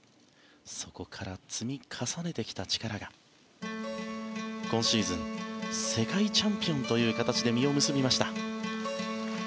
そこから積み重ねてきた力が今シーズン世界チャンピオンという形で実を結びました。